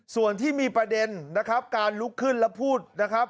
ส่วนที่มีประเด็นนะครับการลุกขึ้นแล้วพูดนะครับ